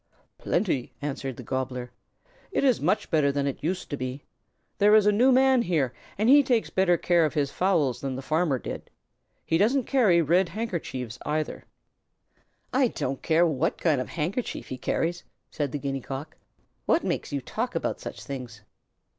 "Plenty," answered the Gobbler. "It is much better than it used to be. There is a new Man here, and he takes better care of his fowls than the Farmer did. He doesn't carry red handkerchiefs either." "I don't care what kind of handkerchiefs he carries," said the Guinea Cock. "What makes you talk about such things?"